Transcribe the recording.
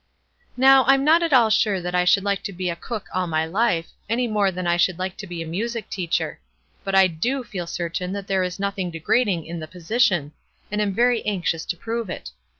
"Now, I'm not at all sure that I should like to be a cook all my life, any more than I should like to be a music teacher ; but I do feel certain that there is nothing degrading in the position, and I am very anxious to prove it.